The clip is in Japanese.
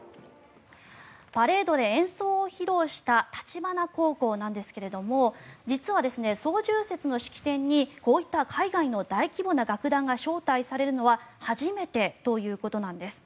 パレードで演奏を披露した橘高校なんですが実は双十節の式典にこういった海外の大規模な楽団が招待されるのは初めてということなんです。